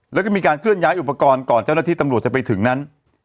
แล้วก็มีการเคลื่อนย้ายอุปกรณ์ก่อนเจ้าหน้าที่ตำรวจจะไปถึงนั้น